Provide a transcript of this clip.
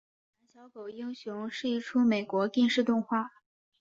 胆小狗英雄是一出美国电视动画。